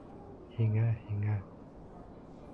Һиңә, һиңә...